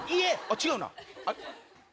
違うな。